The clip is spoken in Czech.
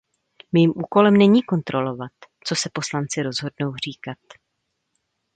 Mým úkolem není kontrolovat, co se poslanci rozhodnou říkat.